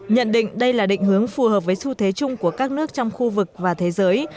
nhận định đây là định hướng phù hợp với xu thế chung của các nước trong khu vực và thế giới